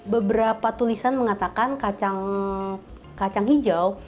beberapa tulisan mengatakan kacang hijau